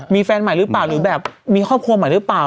มีแฟนใหม่หรือเปล่าหรือแบบมีครอบครัวใหม่หรือเปล่า